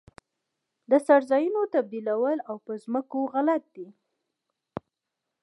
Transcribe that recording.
د څړځایونو تبدیلول په ځمکو غلط دي.